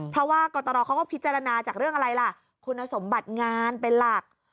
เพราะว่ากตรเขาก็พิจารณาจากเรื่องอะไรล่ะคุณสมบัติงานเป็นหลัก